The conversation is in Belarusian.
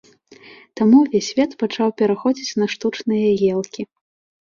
Таму ўвесь свет пачаў пераходзіць на штучныя елкі.